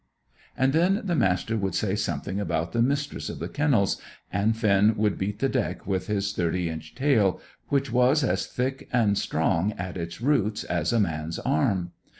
And then the Master would say something about the Mistress of the Kennels, and Finn would beat the deck with his thirty inch tail, which was as thick and strong at its roots as a man's arm.